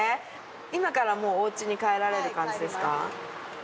今からもうお家に帰られる感じですか？